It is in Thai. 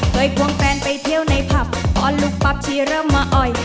ควงแฟนไปเที่ยวในผับออนลูกปั๊บทีเริ่มมาอ่อย